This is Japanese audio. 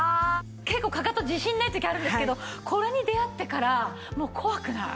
結構かかと自信ない時あるんですけどこれに出会ってからもう怖くない。